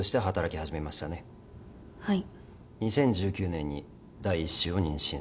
２０１９年に第１子を妊娠された。